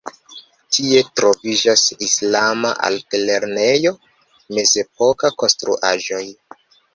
Tie troviĝas islama altlernejo, mezepokaj konstruaĵoj.